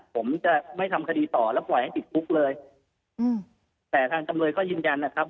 ผมจะไม่ทำคดีต่อแล้วปล่อยให้ติดคุกเลยอืมแต่ทางจำเลยก็ยืนยันนะครับ